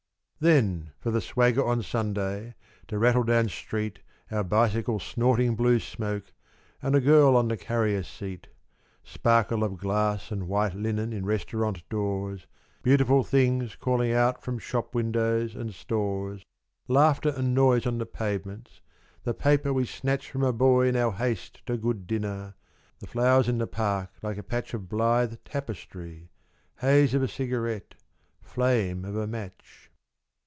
Then for the swagger on Sunday, to rattle down street Our bicycle snorting blue smoke, and a girl on the carrier seat : Sparkle of glass and white linen in restaurant doors Beautiful things calling out from shop windows and stores, Laughter and noise on the pavements, the paper we snatch From a boy in our haste to good dinner, the flowers in the park like a patch Of blithe tapestry, haze of a cigarette, flame of a match.